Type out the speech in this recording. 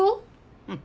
うん。